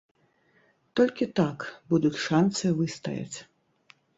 Толькі так будуць шанцы выстаяць.